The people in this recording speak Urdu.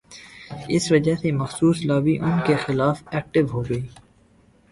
اس وجہ سے یہ مخصوص لابی ان کے خلاف ایکٹو ہو گئی۔